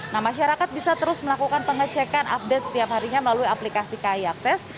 nah masyarakat bisa terus melakukan pengecekan update setiap harinya melalui aplikasi kai akses